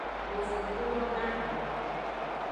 Yovogbulo dahen.